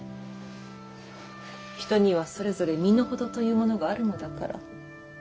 人にはそれぞれ身の程というものがあるのだから。